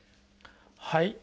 はい。